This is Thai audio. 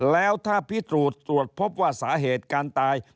แล้วถ้าพิสูจน์ตรวจพบว่าสาเหตุการตาย